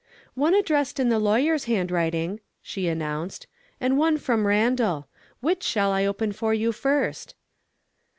"One addressed in the lawyer's handwriting," she announced; "and one from Randal. Which shall I open for you first?"